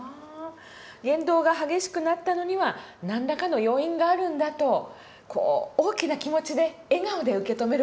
言動が激しくなったのには何らかの要因があるんだとこう大きな気持ちで笑顔で受け止める事大事ですね。